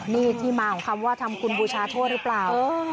นี่ที่มาของคำว่าทำคุณบูชาโทษหรือเปล่า